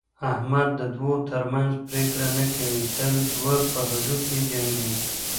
احمد د دوو ترمنځ پرېکړه نه کوي، تل دوه په هډوکي جنګوي.